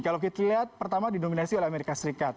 kalau kita lihat pertama didominasi oleh amerika serikat